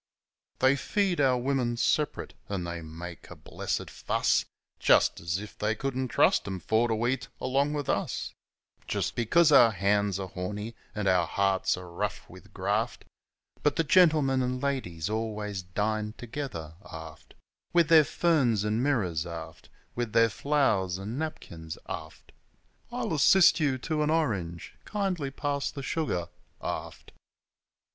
They feed our women sep'rate, an' they make a blessed fuss, Just as if they couldn't trust 'em for to eat along with us ! 119 120 FOR'ARD Just because our hands are horny an' our hearts are rough with graft But the gentlemen and ladies always "dine" together aft With their ferns an' mirrors, aft, With their flow'rs an' napkins, aft "I'll assist you to an orange" "Kindly pass the sugar," aft.